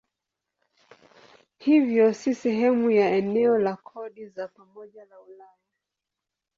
Hivyo si sehemu ya eneo la kodi za pamoja la Ulaya.